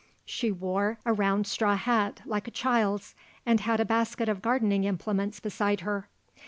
She wore a round straw hat, like a child's, and had a basket of gardening implements beside her.